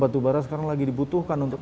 batubara sekarang lagi dibutuhkan untuk